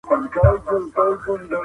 د زکات نظام ټولنه بډايه کوي.